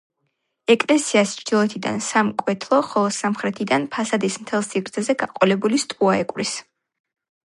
ეკლესიას ჩრდილოეთიდან სამკვეთლო, ხოლო სამხრეთიდან ფასადის მთელ სიგრძეზე გაყოლებული სტოა ეკვრის.